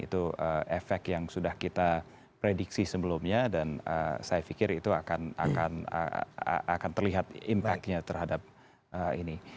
itu efek yang sudah kita prediksi sebelumnya dan saya pikir itu akan terlihat impactnya terhadap ini